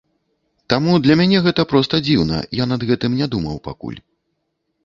Таму для мяне гэта проста дзіўна, я над гэтым не думаў пакуль.